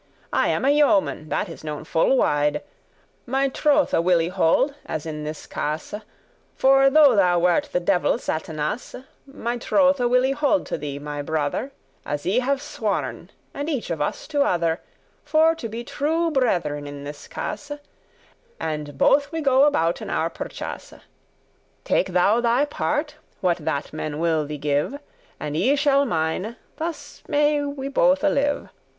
I am a yeoman, that is known full wide; My trothe will I hold, as in this case; For though thou wert the devil Satanas, My trothe will I hold to thee, my brother, As I have sworn, and each of us to other, For to be true brethren in this case, And both we go *abouten our purchase.* *seeking what we Take thou thy part, what that men will thee give, may pick up* And I shall mine, thus may we bothe live.